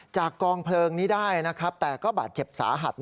จากกองเพลิงนี้ได้นะครับแต่ก็บาดเจ็บสาหัส